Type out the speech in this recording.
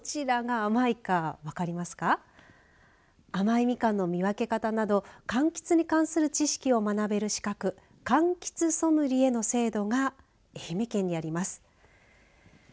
甘いみかんの見分け方などかんきつに関する知識を学べる資格かんきつソムリエの制度が愛媛県にあります。